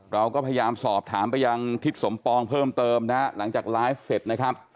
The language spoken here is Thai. เราก็พยายามสอบถามไปยังทิศสมปองเพิ่มเติมนะฮะหลังจากไลฟ์เสร็จนะครับ